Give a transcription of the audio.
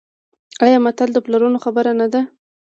آیا متل د پلرونو خبره نه ده؟